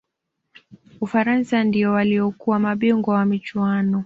ufaransa ndiyo waliyokuwa mabingwa wa michuano